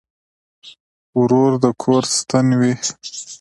ورور د کور ستن وي.